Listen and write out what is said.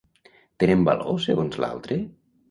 Tenen valor, segons l'altre?